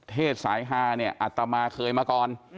เทศสายฮาอัตตามาเคยมาก่อน